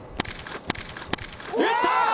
打った！